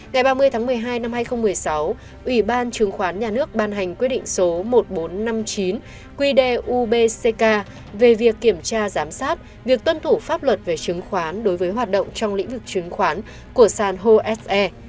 vào một mươi tháng một mươi hai năm hai nghìn một mươi sáu ủy ban chứng khoán nhà nước ban hành quyết định số một nghìn bốn trăm năm mươi chín quy đề ubck về việc kiểm tra giám sát việc tuân thủ pháp luật về chứng khoán đối với hoạt động trong lĩnh vực chứng khoán của sanho se